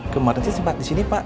kemarin sih sempat di sini pak